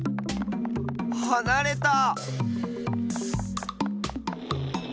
はなれた！